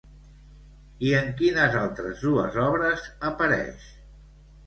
I en quines altres dues obres apareix?